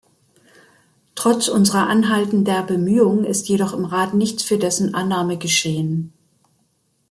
Trotz unserer anhaltender Bemühungen ist jedoch im Rat nichts für dessen Annahme geschehen.